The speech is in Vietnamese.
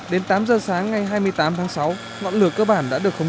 đến tám giờ sáng ngày hai mươi tám tháng sáu